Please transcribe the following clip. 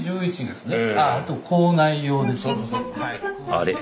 あれ？